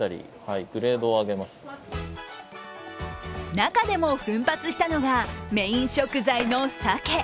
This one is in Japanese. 中でも奮発したのがメイン食材の鮭。